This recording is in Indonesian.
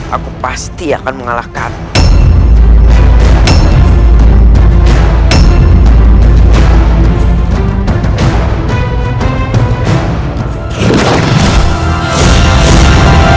aku pasti akan mengalahkanmu